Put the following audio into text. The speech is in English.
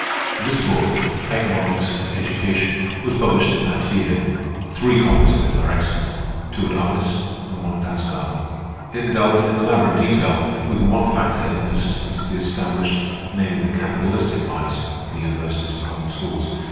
This book, "Economics and Education," was published in that year. Three copies of it are extant; two at Ardis, and one at Asgard. It dealt, in elaborate detail, with one factor in the persistence of the established, namely, the capitalistic bias of the universities and common schools.